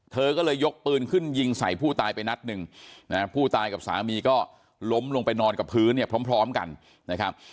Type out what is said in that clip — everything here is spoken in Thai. เธอก็เลยยกปืนขึ้นยิงใส่ผู้ตายไปนัดหนึ่งนะผู้ตายกับสามีก็ล้มลงไปนอนกับพื้นเนี่ยพร้อมกันนะครับ